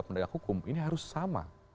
penegak hukum ini harus sama